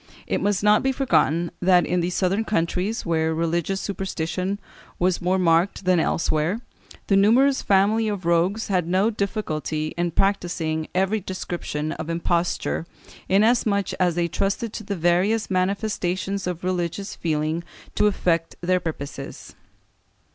It must not be forgotten that in the southern countries, where religions superstition was more marked than elsewhere, the numerous family of rogues had no difficulty in practising every description of imposture, inasmuch as they trusted to the various manifestations of religions feeling to effect their purposes.